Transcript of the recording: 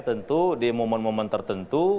tentu di momen momen tertentu